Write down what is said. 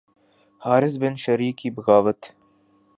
حارث بن شریح کی بغاوت